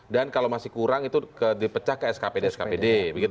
dan kalau masih kurang itu dipecah ke skpd skpd